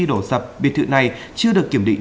đổ dập biệt thự này chưa được kiểm định